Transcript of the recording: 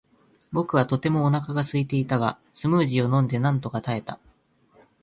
僕はとてもお腹がすいていたが、スムージーを飲んでなんとか耐えた。